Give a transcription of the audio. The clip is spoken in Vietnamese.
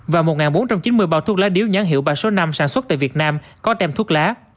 và một bốn trăm chín mươi bào thuốc lá điếu nhãn hiệu ba số năm sản xuất tại việt nam có tem thuốc lá